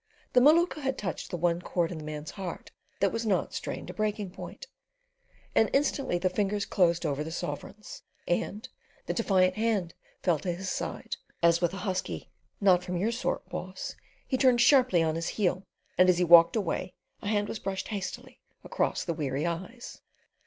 The Maluka had touched the one chord in the man's heart that was not strained to breaking point, and instantly the fingers closed over the sovereigns, and the defiant hand fell to his side, as with a husky "Not from your sort, boss," he turned sharply on his heel; and as he walked away a hand was brushed hastily across the weary eyes.